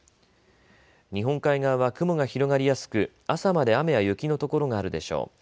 日本海側は雲が広がりやすく朝まで雨や雪の所があるでしょう。